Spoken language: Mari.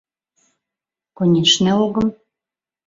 — Конешне, огым!